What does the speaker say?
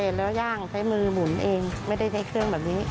ใช้มือหมุนเองไม่ได้ใช้เครื่องแบบนี้